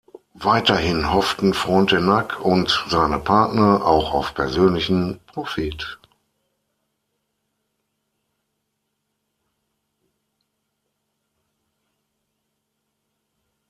Weiterhin hofften Frontenac und seine Partner auch auf persönlichen Profit.